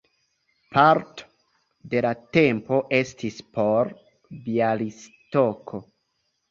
Parto de la tempo estis por Bjalistoko.